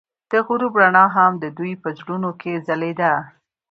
د غروب رڼا هم د دوی په زړونو کې ځلېده.